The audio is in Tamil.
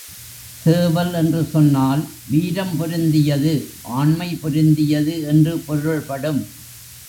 சேவல் என்று சொன்னால் வீரம் பொருந்தியது, ஆண்மை பொருந்தியது என்று பொருள்படும்.